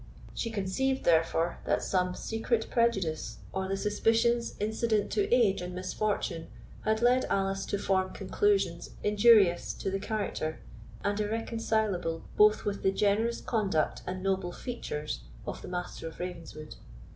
She conceived, therefore, that some secret prejudice, or the suspicions incident to age and misfortune, had led Alice to form conclusions injurious to the character, and irreconcilable both with the generous conduct and noble features, of the Master of Ravenswood.